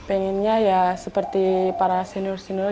pengennya ya seperti para senior senior